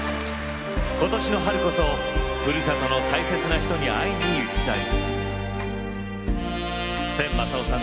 今年の春こそ故郷の大切な人に会いに行きたい。